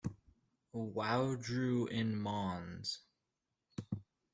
Waudru in Mons.